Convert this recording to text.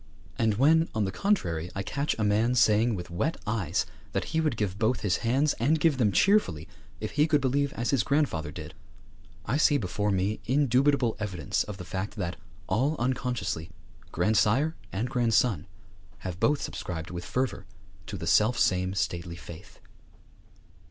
And, when, on the contrary, I catch a man saying with wet eyes that he would give both his hands, and give them cheerfully, if he could believe as his grandfather did, I see before me indubitable evidence of the fact that, all unconsciously, grandsire and grandson have both subscribed with fervour to the selfsame stately faith.